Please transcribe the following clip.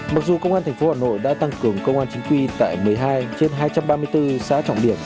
mặc dù công an tp hà nội đã tăng cường công an chính quy tại một mươi hai trên hai trăm ba mươi bốn xã trọng điểm